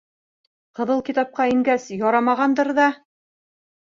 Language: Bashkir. Ҡыҙыл китапҡа ингәс ярамағандыр ҙа.